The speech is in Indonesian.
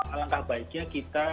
alangkah baiknya kita